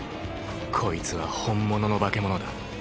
こいつは本物の化け物だ。